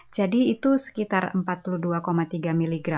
jadi itu sekitar empat puluh dua tiga mg